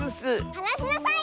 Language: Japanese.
はなしなさい！